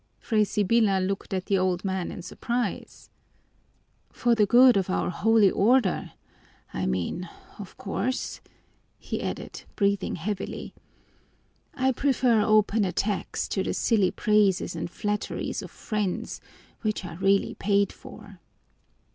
Fray Sibyla looked at the old man in surprise. "For the good of our holy Order, I mean, of course," he added, breathing heavily. "I prefer open attacks to the silly praises and flatteries of friends, which are really paid for."